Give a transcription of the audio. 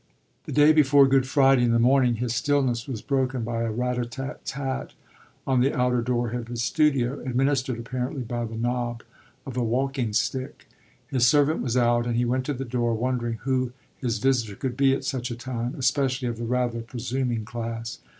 The day before Good Friday, in the morning, his stillness was broken by a rat tat tat on the outer door of his studio, administered apparently by the knob of a walking stick. His servant was out and he went to the door, wondering who his visitor could be at such a time, especially of the rather presuming class.